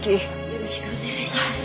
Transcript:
よろしくお願いします。